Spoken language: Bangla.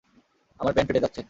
আমার প্যান্ট ফেটে যাচ্ছে।